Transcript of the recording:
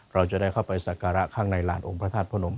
เราจะได้เข้าไปสักการะข้างในหลานองค์พระธาตุพระนม